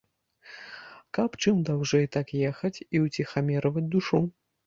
Каб чым даўжэй так ехаць і уціхамірваць душу!